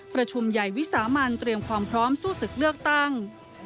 ประชุมใหญ่วิสามันเตรียมความพร้อมสู้ศึกเลือกตั้ง